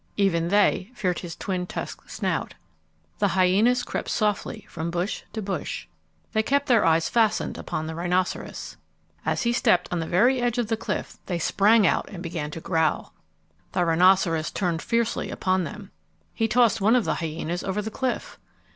Even they feared his twin tusked snout. The hyenas crept softly from bush to bush. They kept their eyes fastened upon the rhinoceros. As he stepped on the very edge of the cliff they sprang out and began to growl. The rhinoceros turned fiercely upon them. He tossed one of the hyenas over the cliff.